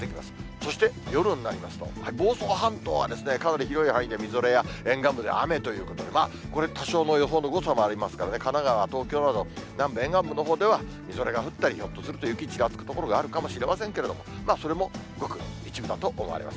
そして夜になりますと、房総半島はですね、かなり広い範囲でみぞれや、沿岸部では雨という、これ、多少の予報の誤差もありますので、神奈川、東京など、南部沿岸部のほうでは、みぞれが降ったり、ひょっとすると雪ちらつく所があるかもしれませんけれども、それもごく一部だと思われます。